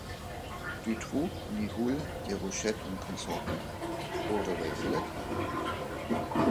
Dutroux, Nihoul, Derochette und Konsorten oder Wathelet?